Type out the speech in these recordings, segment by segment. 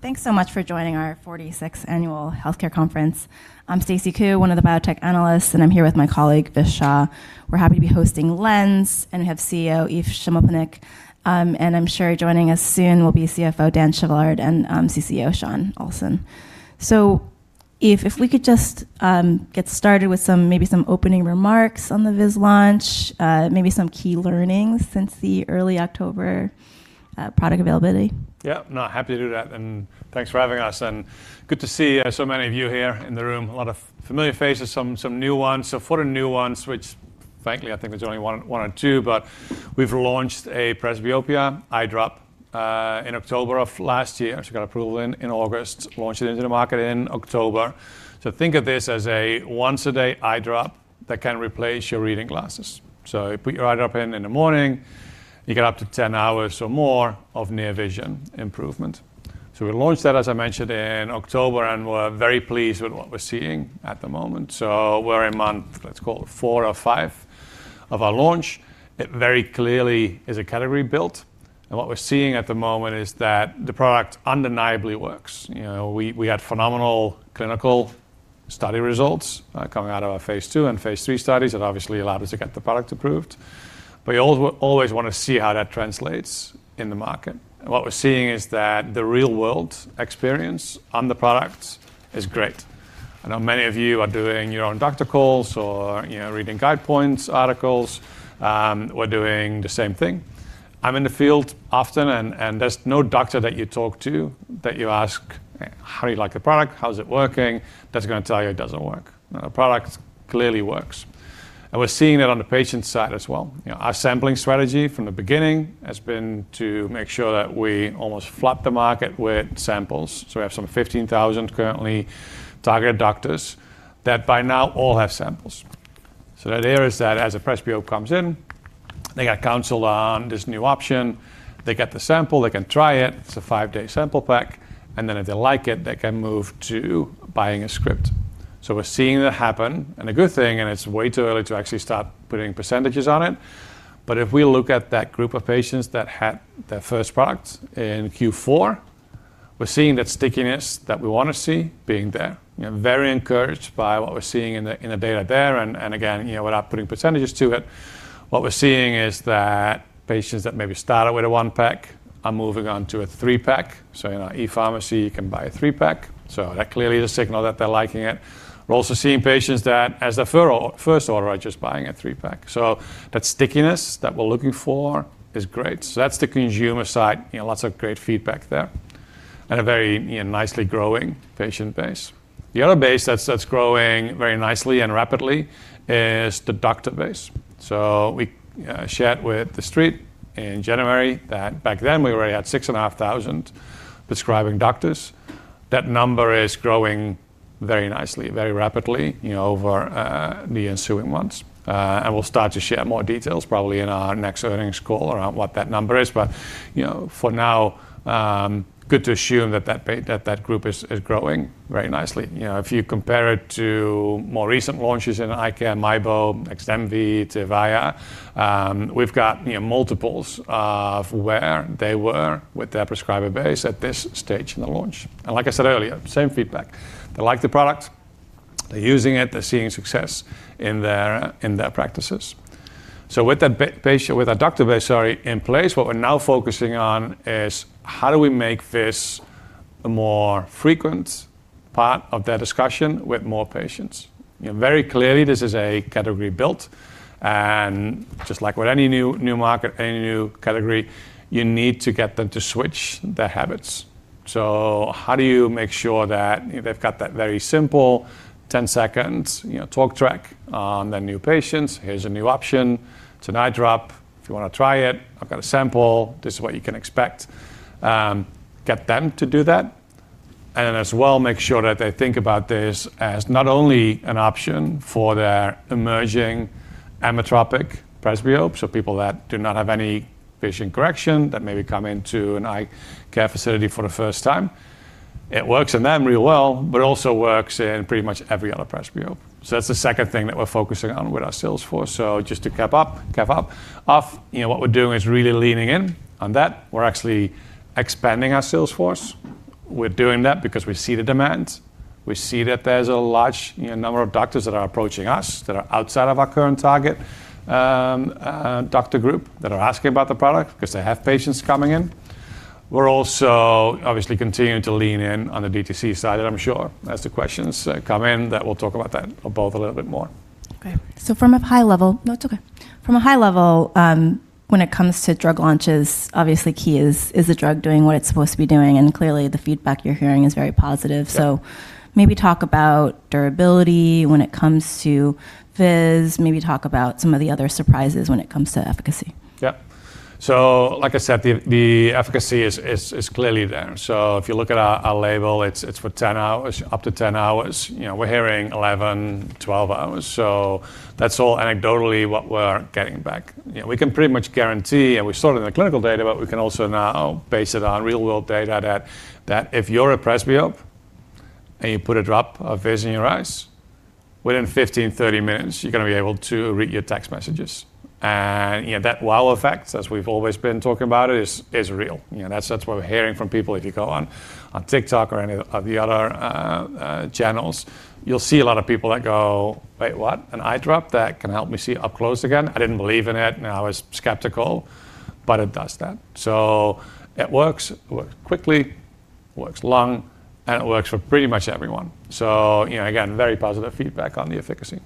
Thanks so much for joining our 46th Annual Healthcare Conference. I'm Stacy Ku, one of the biotech analysts, and I'm here with my colleague, Vis Shah. We're happy to be hosting LENZ, and we have CEO Eef Schimmelpennink. I'm sure joining us soon will be CFO Dan Chevallard and CCO Shawn Olsson. Eef, if we could just get started with maybe some opening remarks on the LENZ launch, maybe some key learnings since the early October product availability. Yeah. No, happy to do that. Thanks for having us, and good to see so many of you here in the room. A lot of familiar faces, some new ones. For the new ones, which frankly, I think there's only one or two, but we've launched a presbyopia eye drop in October of last year. Actually got approval in August, launched it into the market in October. Think of this as a once a day eye drop that can replace your reading glasses. You put your eye drop in in the morning, you get up to 10 hours or more of near vision improvement. We launched that, as I mentioned, in October, and we're very pleased with what we're seeing at the moment. We're in month, let's call it four or five of our launch. It very clearly is a category built. What we're seeing at the moment is that the product undeniably works. You know, we had phenomenal clinical study results coming out of our phase two and phase three studies that obviously allowed us to get the product approved. You always wanna see how that translates in the market. What we're seeing is that the real world experience on the product is great. I know many of you are doing your own doctor calls or, you know, reading Guidepoint's articles, we're doing the same thing. I'm in the field often and there's no doctor that you talk to that you ask, "How do you like the product? How's it working?" that's gonna tell you it doesn't work. No, the product clearly works. We're seeing it on the patient side as well. You know, our sampling strategy from the beginning has been to make sure that we almost flood the market with samples. We have some 15,000 currently target doctors that by now all have samples. The idea is that as a presbyope comes in, they got counseled on this new option, they get the sample, they can try it's a five-day sample pack, then if they like it, they can move to buying a script. We're seeing that happen. A good thing, and it's way too early to actually start putting % on it, but if we look at that group of patients that had their first product in Q4, we're seeing that stickiness that we wanna see being there. You know, very encouraged by what we're seeing in the data there. Again, you know, without putting percentages to it, what we're seeing is that patients that maybe started with a 1-pack are moving on to a 3-pack. You know, e-Pharmacy can buy a 3-pack, that clearly is a signal that they're liking it. We're also seeing patients that as a very first order are just buying a 3-pack. That stickiness that we're looking for is great. That's the consumer side. You know, lots of great feedback there. A very, you know, nicely growing patient base. The other base that's growing very nicely and rapidly is the doctor base. We shared with the street in January that back then we already had 6,500 prescribing doctors. That number is growing very nicely, very rapidly, you know, over the ensuing months. We'll start to share more details probably in our next earnings call around what that number is. You know, for now, good to assume that that group is growing very nicely. You know, if you compare it to more recent launches in eye care, MIEBO, XDEMVY, TYRVAYA, we've got, you know, multiples of where they were with their prescriber base at this stage in the launch. Like I said earlier, same feedback. They like the product, they're using it, they're seeing success in their practices. With that doctor base, sorry, in place, what we're now focusing on is how do we make this a more frequent part of their discussion with more patients? You know, very clearly this is a category built, and just like with any new market or any new category, you need to get them to switch their habits. How do you make sure that they've got that very simple 10-second, you know, talk track on their new patients? "Here's a new option. It's an eye drop. If you wanna try it, I've got a sample. This is what you can expect." Get them to do that, and as well, make sure that they think about this as not only an option for their emerging ametropic presbyopes, so people that do not have any vision correction that maybe come into an eye care facility for the first time. It works in them real well, but it also works in pretty much every other presbyope. That's the second thing that we're focusing on with our sales force. Just to cap off, you know what we're doing is really leaning in on that. We're actually expanding our sales force. We're doing that because we see the demand. We see that there's a large, you know, number of doctors that are approaching us that are outside of our current target doctor group that are asking about the product because they have patients coming in. We're also obviously continuing to lean in on the DTC side, and I'm sure as the questions come in that we'll talk about that both a little bit more. Okay. No, it's okay. From a high level, when it comes to drug launches, obviously key is the drug doing what it's supposed to be doing? Clearly the feedback you're hearing is very positive. Yeah. Maybe talk about durability when it comes to VIZZ, maybe talk about some of the other surprises when it comes to efficacy. Yeah. Like I said, the efficacy is clearly there. If you look at our label, it's for 10 hours, up to 10 hours. You know, we're hearing 11, 12 hours. That's all anecdotally what we're getting back. You know, we can pretty much guarantee, and we saw it in the clinical data, but we can also now base it on real world data that if you're a presbyope, you put a drop of VUITY in your eyes, within 15, 30 minutes, you're gonna be able to read your text messages. You know, that wow effect, as we've always been talking about it, is real. You know, that's what we're hearing from people. If you go on TikTok or any of the other channels, you'll see a lot of people that go, "Wait, what? An eye drop that can help me see up close again? I didn't believe in it, and I was skeptical, but it does that. It works, it works quickly, it works long, and it works for pretty much everyone. You know, again, very positive feedback on the efficacy.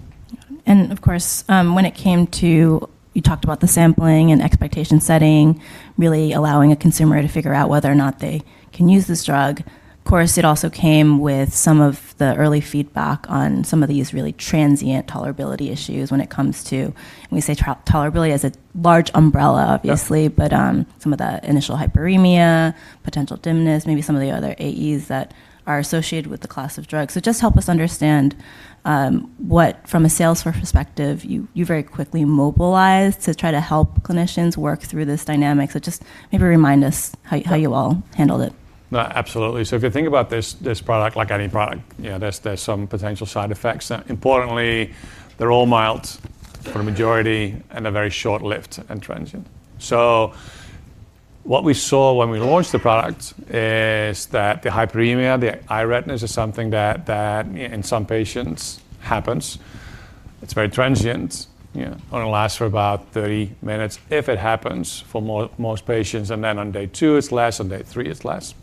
Of course, when it came to. You talked about the sampling and expectation setting, really allowing a consumer to figure out whether or not they can use this drug. Of course, it also came with some of the early feedback on some of these really transient tolerability issues when it comes to. We say tolerability as a large umbrella, obviously. Sure. Some of the initial hyperemia, potential dimness, maybe some of the other AEs that are associated with the class of drugs. Just help us understand what from a sales perspective, you very quickly mobilized to try to help clinicians work through this dynamic. Jus. maybe remind us how you all handled it? No, absolutely. If you think about this product like any product, you know, there's some potential side effects. Importantly, they're all mild for a majority and are very short-lived and transient. What we saw when we launched the product is that the hyperemia, the eye redness is something that in some patients happens. It's very transient, you know, only lasts for about 30 minutes, if it happens for most patients, and then on day two it's less, on day three it's less.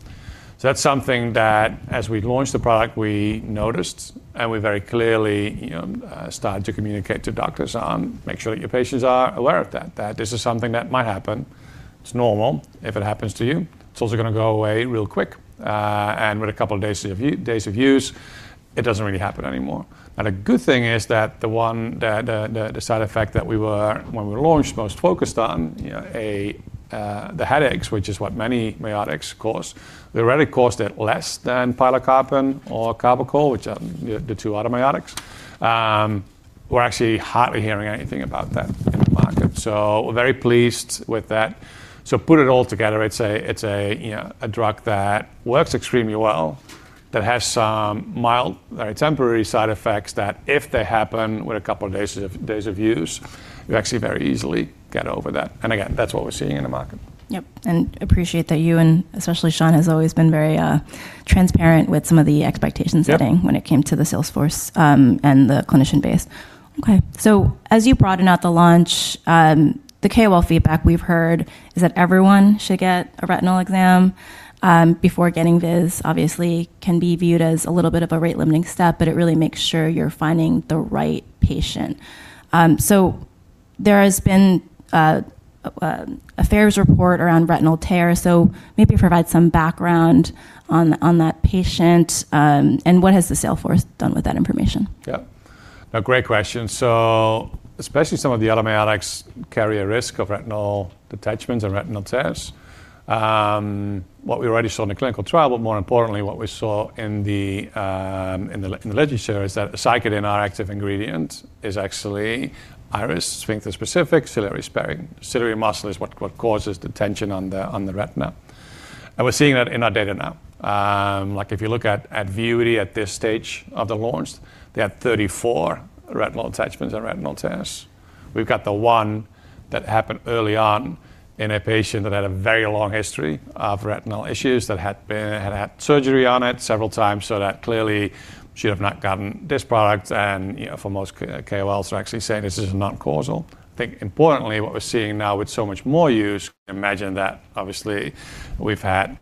That's something that as we launched the product, we noticed and we very clearly, you know, started to communicate to doctors on, make sure that your patients are aware of that this is something that might happen. It's normal if it happens to you. It's also gonna go away real quick, and with a couple of days of use, it doesn't really happen anymore. A good thing is that the one that, the, the side effect that we were when we launched most focused on, you know, the headaches, which is what many miotics cause. The aceclidine caused it less than pilocarpine or carbachol, which are the two other miotics. We're actually hardly hearing anything about that in the market, so very pleased with that. Put it all together, it's a, it's a, you know, a drug that works extremely well, that has some mild, very temporary side effects that if they happen with a couple of days of use, you actually very easily get over that. Again, that's what we're seeing in the market. Yep. Appreciate that you and especially Shawn has always been very transparent with some of the expectation setting. Yep... when it came to the sales force and the clinician base. Okay. As you broaden out the launch, the KOL feedback we've heard is that everyone should get a retinal exam before getting this. Obviously, can be viewed as a little bit of a rate limiting step, but it really makes sure you're finding the right patient. There has been a FAERS report around retinal tear, so maybe provide some background on that patient and what has the sales force done with that information? Yeah. A great question. Especially some of the other miotics carry a risk of retinal detachments and retinal tears. What we already saw in the clinical trial, but more importantly, what we saw in the literature is that aceclidine active ingredient is actually iris sphincter-specific, ciliary sparing. Ciliary muscle is what causes the tension on the retina. We're seeing that in our data now. Like if you look at VUITY at this stage of the launch, they had 34 retinal detachments and retinal tears. We've got the one that happened early on in a patient that had a very long history of retinal issues that had surgery on it several times. That clearly she'd have not gotten this product. You know, for most KOLs are actually saying this is not causal. I think importantly, what we're seeing now with so much more use, imagine that obviously we've had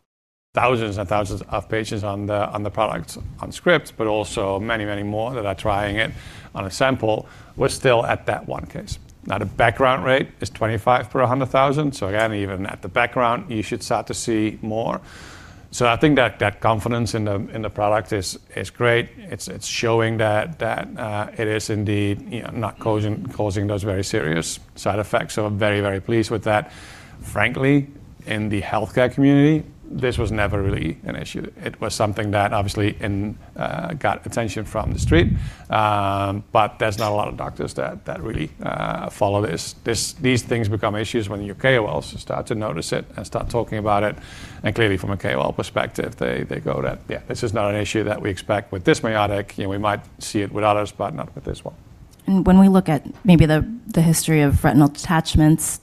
thousands and thousands of patients on the product on scripts, but also many, many more that are trying it on a sample. We're still at that one case. Now, the background rate is 25 per 100,000. Again, even at the background, you should start to see more. I think that confidence in the product is great. It's showing that, you know, not causing those very serious side effects. I'm very pleased with that. Frankly, in the healthcare community, this was never really an issue. It was something that obviously and got attention from the street. There's not a lot of doctors that really follow this. These things become issues when your KOLs start to notice it and start talking about it. And clearly from a KOL perspective, they go that, yeah, this is not an issue that we expect with this miotic. You know, we might see it with others, but not with this one. When we look at maybe the history of retinal detachments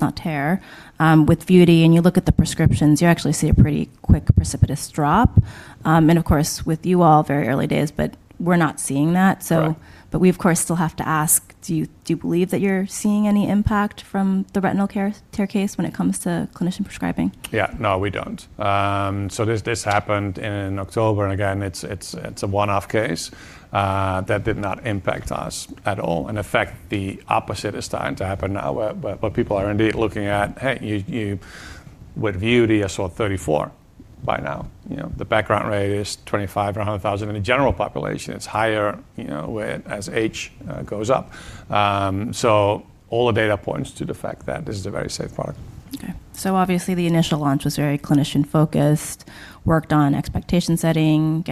not tear, with VUITY, and you look at the prescriptions, you actually see a pretty quick, precipitous drop. Of course, with you all very early days, but we're not seeing that. Right We of course still have to ask, do you believe that you're seeing any impact from the retinal tear case when it comes to clinician prescribing? Yeah. No, we don't. This happened in October and again, it's a one-off case that did not impact us at all. In fact, the opposite is starting to happen now, what people are indeed looking at, hey, with VUITY I saw 34 by now. You know, the background rate is 25 per 100,000 in the general population. It's higher, you know, with as age goes up. All the data points to the fact that this is a very safe product. Okay. Obviously the initial launch was very clinician-focused, worked on expectation setting,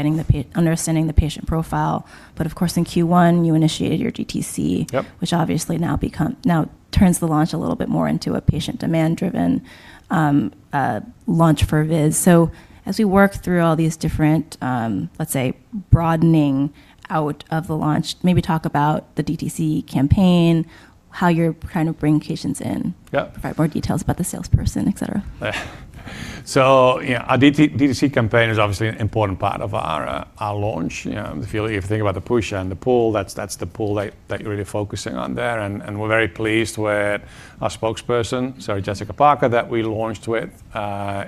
understanding the patient profile. Of course, in Q1, you initiated your DTC- Yep... which obviously now turns the launch a little bit more into a patient demand-driven launch for VIZZ. As we work through all these different, let's say, broadening out of the launch, maybe talk about the DTC campaign, how you're kind of bringing patients in? Yep. Provide more details about the salesperson, etc. Yeah, our DTC campaign is obviously an important part of our launch. You know, if you, if you think about the push and the pull, that's the pull that you're really focusing on there. We're very pleased with our spokesperson, Sarah Jessica Parker, that we launched with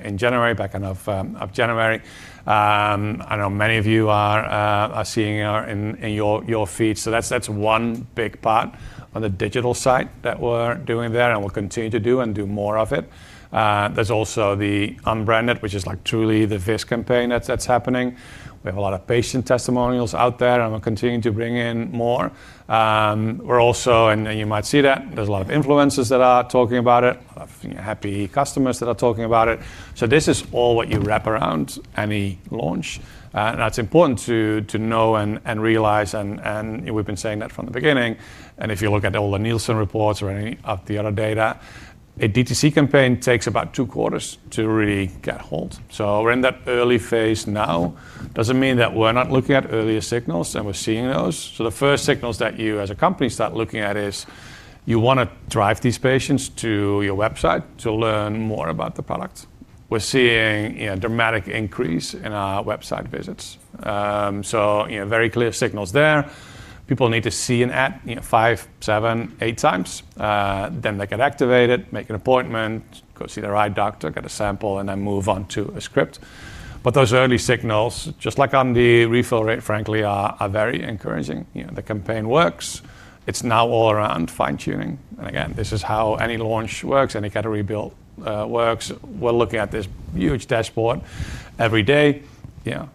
in January, back end of January. I know many of you are seeing her in your feed. That's one big part on the digital side that we're doing there, and we'll continue to do and do more of it. There's also the unbranded, which is like truly the VIZZ campaign that's happening. We have a lot of patient testimonials out there, and we're continuing to bring in more. You might see that there's a lot of influencers that are talking about it, a lot of happy customers that are talking about it. This is all what you wrap around any launch, and that's important to know and realize and we've been saying that from the beginning. If you look at all the Nielsen reports or any of the other data, a DTC campaign takes about two quarters to really get hold. We're in that early phase now. Doesn't mean that we're not looking at earlier signals, and we're seeing those. The first signals that you as a company start looking at is you wanna drive these patients to your website to learn more about the product. We're seeing, you know, dramatic increase in our website visits. You know, very clear signals there. People need to see an ad, you know, five, seven, eight times, then they get activated, make an appointment, go see the right doctor, get a sample, move on to a script. Those early signals, just like on the refill rate, frankly, are very encouraging. You know, the campaign works. It's now all around fine-tuning. Again, this is how any launch works, any category build, works. We're looking at this huge dashboard every day. You know,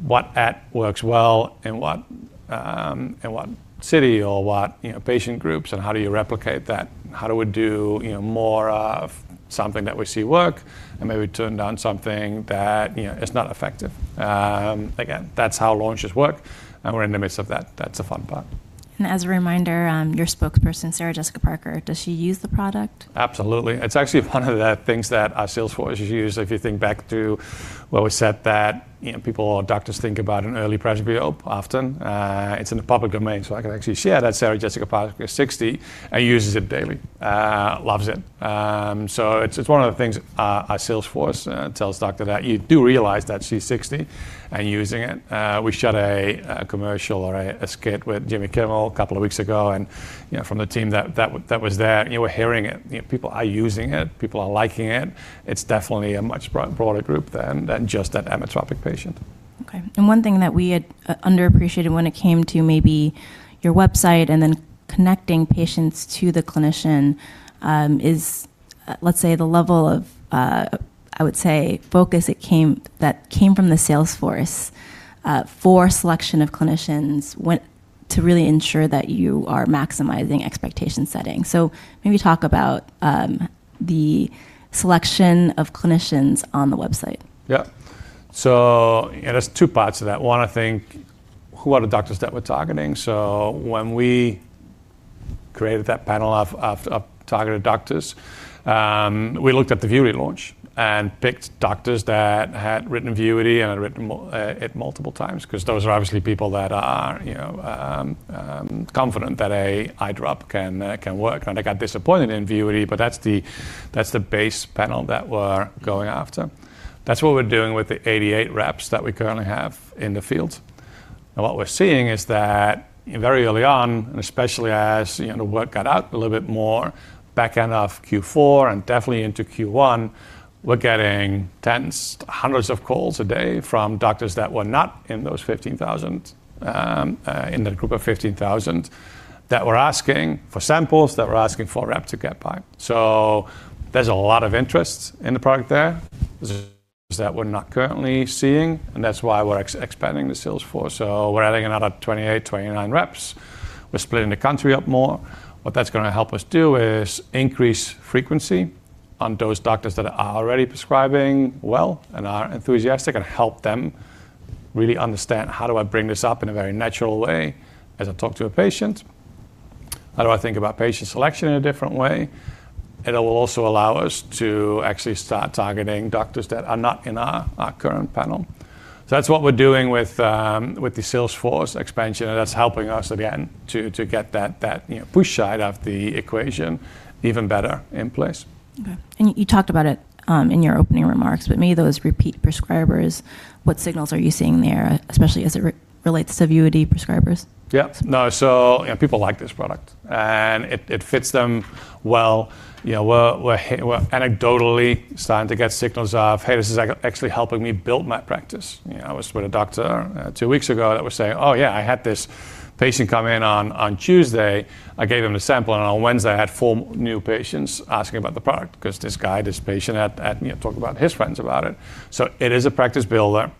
what ad works well in what, in what city or what, you know, patient groups, how do you replicate that? How do we do, you know, more of something that we see work and maybe turn down something that, you know, is not effective? Again, that's how launches work, we're in the midst of that. That's the fun part. As a reminder, your spokesperson, Sarah Jessica Parker, does she use the product? Absolutely. It's actually one of the things that our sales force has used. If you think back to what we said that, you know, people or doctors think about an early prescribing often, it's in the public domain. I can actually share that Sarah Jessica Parker is 60 and uses it daily. Loves it. It's one of the things our sales force tells doctor that you do realize that she's 60 and using it. We shot a commercial or a skit with Jimmy Kimmel a couple of weeks ago. You know, from the team that was there, you were hearing it. You know, people are using it. People are liking it. It's definitely a much broader group than just that ametropic patient. One thing that we had underappreciated when it came to maybe your website and then connecting patients to the clinician, is, let's say, the level of, I would say focus that came from the sales force, for selection of clinicians went to really ensure that you are maximizing expectation setting. Maybe talk about, the selection of clinicians on the website. Yep. There's two parts to that. One, I think, who are the doctors that we're targeting? When we created that panel of targeted doctors, we looked at the VUITY launch and picked doctors that had written VUITY and had written multiple times 'cause those are obviously people that are, you know, confident that a eye drop can work. They got disappointed in VUITY, but that's the base panel that we're going after. That's what we're doing with the 88 reps that we currently have in the field. What we're seeing is that very early on, and especially as, you know, word got out a little bit more back end of Q4 and definitely into Q1, we're getting tens, hundreds of calls a day from doctors that were not in those 15,000 in the group of 15,000, that were asking for samples, that were asking for a rep to get by. There's a lot of interest in the product there that we're not currently seeing, and that's why we're expanding the sales floor. We're adding another 28, 29 reps. We're splitting the country up more. What that's gonna help us do is increase frequency on those doctors that are already prescribing well and are enthusiastic and help them really understand how do I bring this up in a very natural way as I talk to a patient? How do I think about patient selection in a different way? It will also allow us to actually start targeting doctors that are not in our current panel. That's what we're doing with the sales force expansion, and that's helping us again to get that, you know, push side of the equation even better in place. Okay. You talked about it, in your opening remarks, but maybe those repeat prescribers, what signals are you seeing there, especially as it relates to VUITY prescribers? Yeah. No, you know, people like this product, and it fits them well. You know, we're anecdotally starting to get signals of, "Hey, this is actually helping me build my practice." You know, I was with a doctor, two weeks ago that was saying, "Oh yeah, I had this patient come in on Tuesday. I gave him the sample, and on Wednesday, I had four new patients asking about the product 'cause this guy, this patient had, you know, talked about his friends about it." It is a practice builder.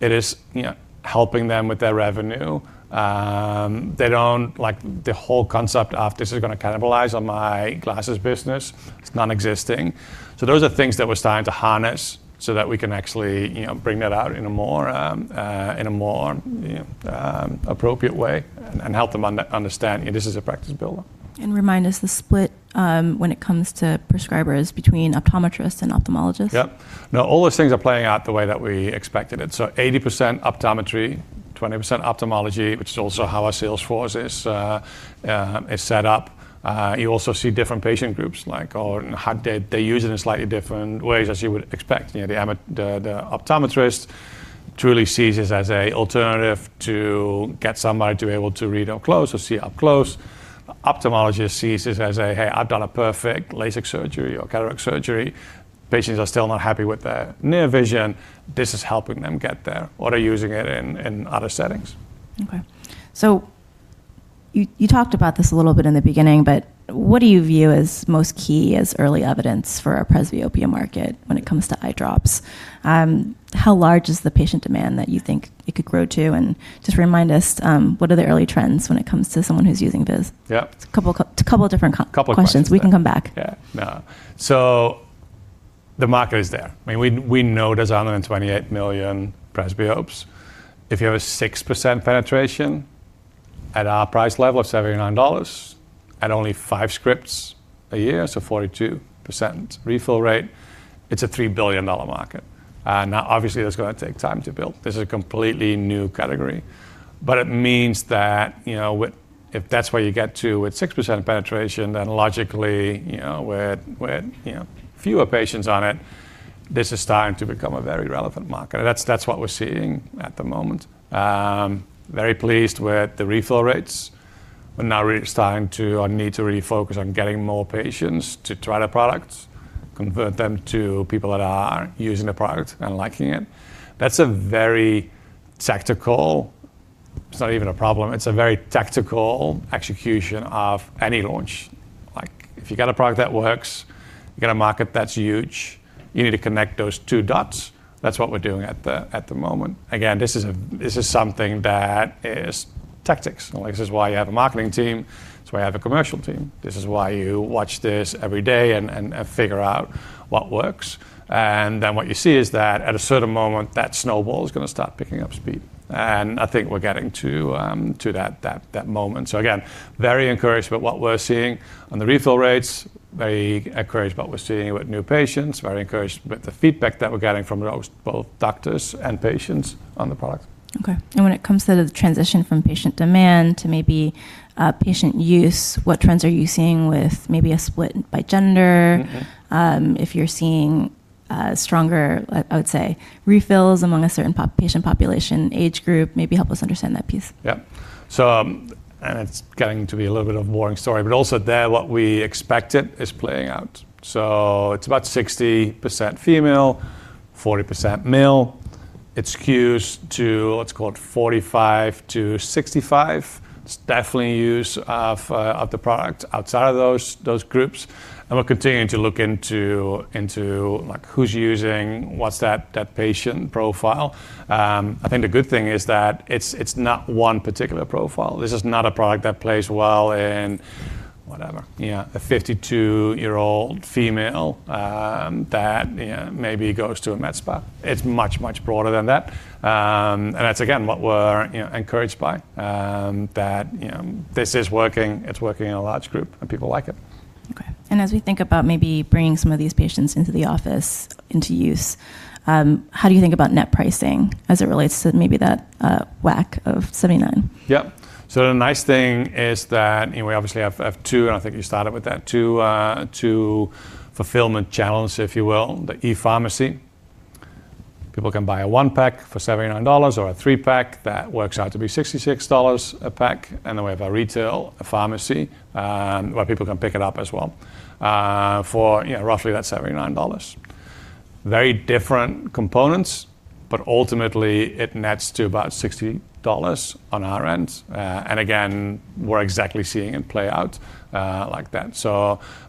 It is, you know, helping them with their revenue. They don't like the whole concept of this is gonna cannibalize on my glasses business. It's non-existing. Those are things that we're starting to harness so that we can actually, you know, bring that out in a more appropriate way and help them understand this is a practice builder. Remind us the split, when it comes to prescribers between optometrists and ophthalmologists? Yep. No, all those things are playing out the way that we expected it. 80% optometry, 20% ophthalmology, which is also how our sales force is set up. You also see different patient groups like or how they use it in slightly different ways as you would expect. You know, the optometrist truly sees this as a alternative to get somebody to be able to read up close or see up close. Ophthalmologist sees this as a, "Hey, I've done a perfect LASIK surgery or cataract surgery." Patients are still not happy with their near vision. This is helping them get there, or are using it in other settings. Okay. You talked about this a little bit in the beginning, but what do you view as most key as early evidence for a presbyopia market when it comes to eye drops? How large is the patient demand that you think it could grow to? Just remind us, what are the early trends when it comes to someone who's using this? Yep. It's a couple different. Couple questions. Yeah questions. We can come back. The market is there. I mean, we know there's 128 million presbyopes. If you have a 6% penetration at our price level of $79 at only 5 scripts a year, so 42% refill rate, it's a $3 billion market. Now obviously, that's gonna take time to build. This is a completely new category. It means that, you know, with if that's where you get to with 6% penetration, logically, you know, with, you know, fewer patients on it, this is starting to become a very relevant market. That's what we're seeing at the moment. Very pleased with the refill rates. We're now really starting to or need to really focus on getting more patients to try the product, convert them to people that are using the product and liking it. That's a very tactical. It's not even a problem. It's a very tactical execution of any launch. Like, if you've got a product that works, you got a market that's huge, you need to connect those two dots. That's what we're doing at the moment. Again, this is something that is tactics. Like, this is why you have a marketing team. It's why you have a commercial team. This is why you watch this every day and figure out what works. What you see is that at a certain moment, that snowball is gonna start picking up speed. I think we're getting to that moment. Again, very encouraged with what we're seeing on the refill rates, very encouraged what we're seeing with new patients, very encouraged with the feedback that we're getting from those, both doctors and patients on the product. Okay. When it comes to the transition from patient demand to maybe, patient use, what trends are you seeing with maybe a split by gender? If you're seeing, stronger, I would say, refills among a certain patient population, age group, maybe help us understand that piece. Yep. It's getting to be a little bit of a boring story, but also there, what we expected is playing out. It's about 60% female, 40% male. It skews to what's called 45-65. It's definitely use of the product outside of those groups. We're continuing to look into, like, who's using, what's that patient profile. I think the good thing is that it's not one particular profile. This is not a product that plays well in whatever, you know, a 52-year-old female, that, you know, maybe goes to a med spa. It's much broader than that. That's again, what we're, you know, encouraged by, that, you know, this is working. It's working in a large group, people like it. Okay. As we think about maybe bringing some of these patients into the office into use, how do you think about net pricing as it relates to maybe that WAC of $79? Yep. The nice thing is that, you know, we obviously have two, and I think you started with that, two fulfillment channels, if you will. The ePharmacy. People can buy a 1-pack for $79 or a 3-pack that works out to be $66 a pack. Then we have our retail pharmacy, where people can pick it up as well, for, you know, roughly that $79. Very different components, but ultimately, it nets to about $60 on our end. Again, we're exactly seeing it play out like that.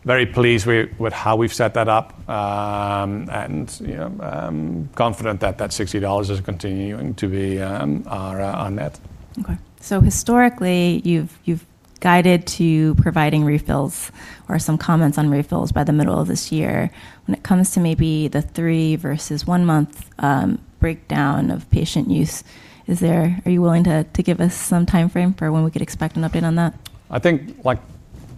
Very pleased with how we've set that up, and, you know, confident that that $60 is continuing to be our net. Historically, you've guided to providing refills or some comments on refills by the middle of this year. When it comes to maybe the three versus one-month breakdown of patient use, are you willing to give us some timeframe for when we could expect an update on that? I think, like,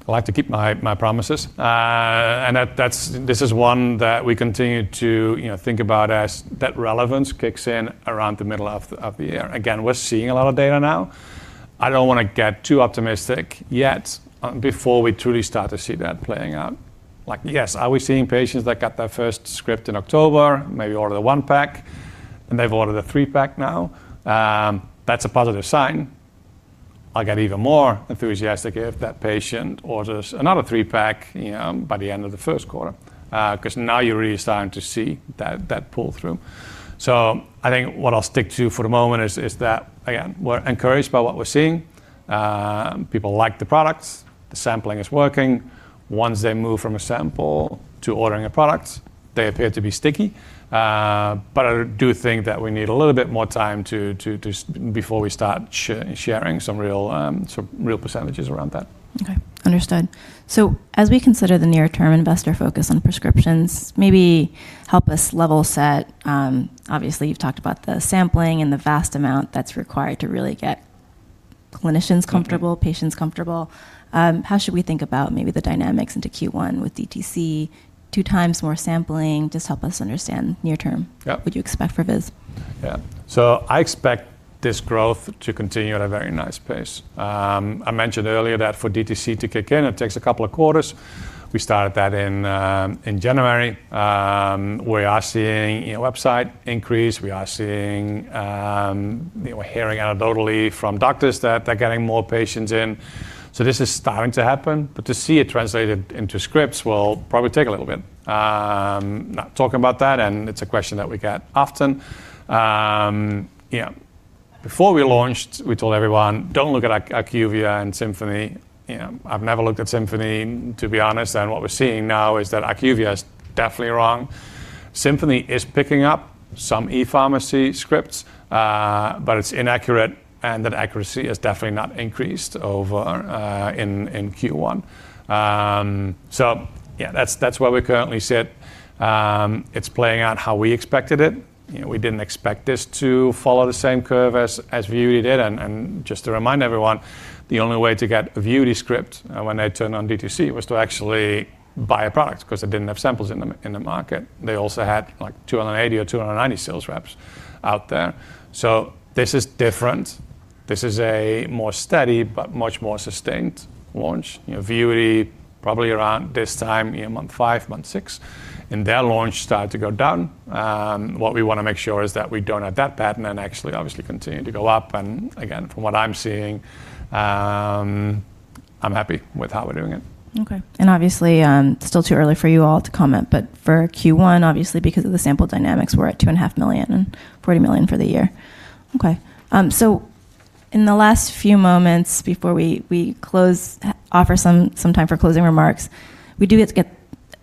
I like to keep my promises. That, this is one that we continue to, you know, think about as that relevance kicks in around the middle of the year. Again, we're seeing a lot of data now. I don't wanna get too optimistic yet, before we truly start to see that playing out. Like, yes, are we seeing patients that got their first script in October, maybe order the 1-pack, and they've ordered a 3-pack now? That's a positive sign. I'll get even more enthusiastic if that patient orders another 3-pack, you know, by the end of the first quarter, 'cause now you're really starting to see that pull-through. I think what I'll stick to for the moment is that, again, we're encouraged by what we're seeing. People like the products. The sampling is working. Once they move from a sample to ordering a product, they appear to be sticky. I do think that we need a little bit more time to, before we start sharing some real, some real percentages around that. Okay. Understood. As we consider the near-term investor focus on prescriptions, maybe help us level set, obviously you've talked about the sampling and the vast amount that's required to really get clinicians comfortable. patients comfortable. How should we think about maybe the dynamics into Q1 with DTC, two times more sampling? Just help us understand near term? Yep. what you expect for VIZZ. I expect this growth to continue at a very nice pace. I mentioned earlier that for DTC to kick in, it takes a couple of quarters. We started that in January. We are seeing, you know, website increase. We are seeing, we're hearing anecdotally from doctors that they're getting more patients in. This is starting to happen, but to see it translated into scripts will probably take a little bit. Not talking about that, and it's a question that we get often. Before we launched, we told everyone, "Don't look at IQVIA and Symphony." You know, I've never looked at Symphony, to be honest, and what we're seeing now is that IQVIA is definitely wrong. Symphony is picking up some ePharmacy scripts, but it's inaccurate, and that accuracy has definitely not increased over in Q1. Yeah, that's where we currently sit. It's playing out how we expected it. You know, we didn't expect this to follow the same curve as VUITY did. Just to remind everyone, the only way to get a VUITY script, when they turned on DTC, was to actually buy a product, 'cause they didn't have samples in the market. They also had, like, 280 or 290 sales reps out there. This is different. This is a more steady but much more sustained launch. You know, VUITY probably around this time, you know, month 5, month 6, their launch started to go down. What we wanna make sure is that we don't adapt that and then actually obviously continue to go up. Again, from what I'm seeing, I'm happy with how we're doing it. Okay. Obviously, still too early for you all to comment, but for Q1, obviously because of the sample dynamics, we're at two and a half million and $40 million for the year. Okay. In the last few moments before we close, offer some time for closing remarks, we do get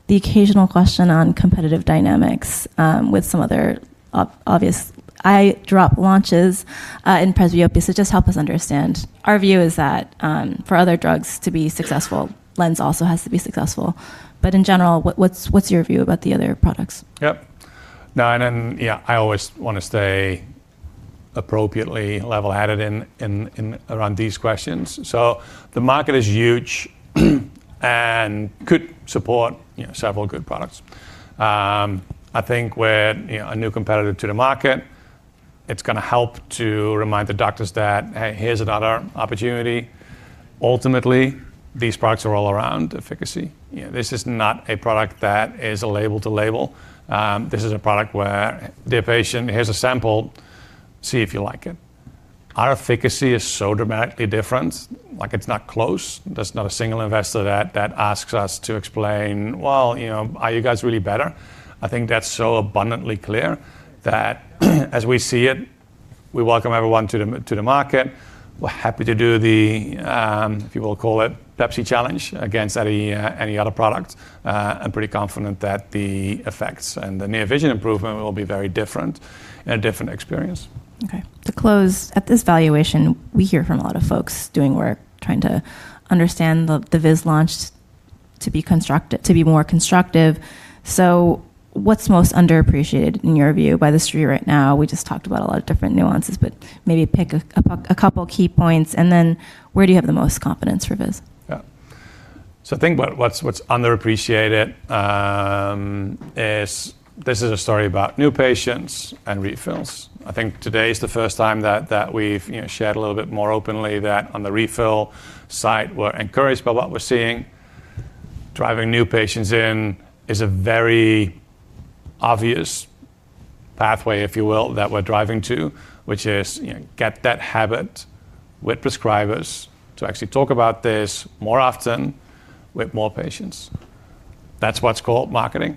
the occasional question on competitive dynamics with some other obvious eye drop launches in presbyopia. Just help us understand. Our view is that for other drugs to be successful, LENZ also has to be successful. In general, what's your view about the other products? Yep. No, yeah, I always wanna stay appropriately level-headed in around these questions. The market is huge and could support, you know, several good products. I think we're, you know, a new competitor to the market. It's gonna help to remind the doctors that, "Hey, here's another opportunity." Ultimately, these products are all around efficacy. You know, this is not a product that is a label to label. This is a product where the patient, "Here's a sample. See if you like it." Our efficacy is so dramatically different, like it's not close. There's not a single investor that asks us to explain, "Well, you know, are you guys really better?" I think that's so abundantly clear that as we see it, we welcome everyone to the market. We're happy to do the, if you will call it, Pepsi challenge against any other product. I'm pretty confident that the effects and the near vision improvement will be very different and a different experience. Okay. To close, at this valuation, we hear from a lot of folks doing work, trying to understand the VIZZ launch to be more constructive. What's most underappreciated in your view by the street right now? We just talked about a lot of different nuances, but maybe pick a couple key points, and then where do you have the most confidence for VIZZ? Yeah. I think what's underappreciated is this is a story about new patients and refills. I think today is the first time that we've, you know, shared a little bit more openly that on the refill side, we're encouraged by what we're seeing. Driving new patients in is a very obvious pathway, if you will, that we're driving to, which is, you know, get that habit with prescribers to actually talk about this more often with more patients. That's what's called marketing.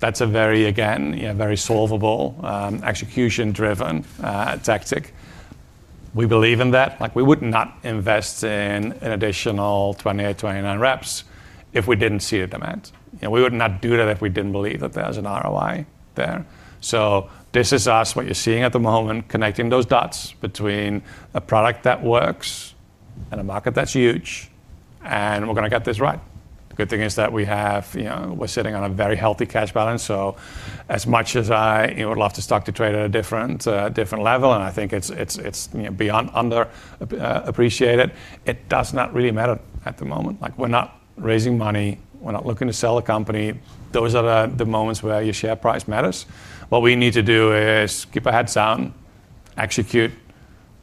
That's a very, again, you know, very solvable, execution-driven tactic. We believe in that. Like, we would not invest in an additional 28, 29 reps if we didn't see the demand. You know, we would not do that if we didn't believe that there's an ROI there. This is us, what you're seeing at the moment, connecting those dots between a product that works and a market that's huge. We're gonna get this right. The good thing is that we have, you know, we're sitting on a very healthy cash balance. As much as I, you know, would love to stock to trade at a different level, I think it's, you know, beyond under appreciated, it does not really matter at the moment. We're not raising money. We're not looking to sell the company. Those are the moments where your share price matters. What we need to do is keep our heads down, execute,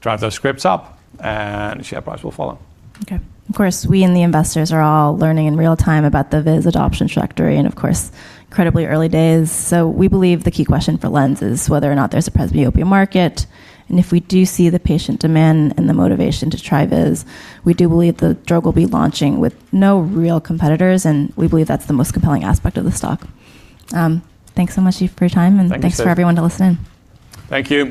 drive those scripts up. Share price will follow. Of course, we and the investors are all learning in real time about the VIZZ adoption trajectory, and of course, incredibly early days. We believe the key question for LENZ is whether or not there's a presbyopia market, and if we do see the patient demand and the motivation to try VIZZ, we do believe the drug will be launching with no real competitors, and we believe that's the most compelling aspect of the stock. Thanks so much, Eef, for your time. Thank you. Thanks for everyone to listen in. Thank you.